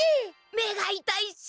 目がいたいっす！